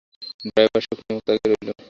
Driver শুকনো মুখে তাকিয়ে রইল।